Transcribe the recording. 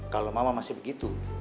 kalau mama masih begitu